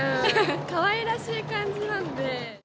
かわいらしい感じなんで。